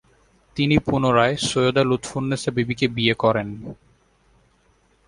তিনি পুনরায় সৈয়দা লুৎফুন্নেছা বিবিকে বিয়ে করেন।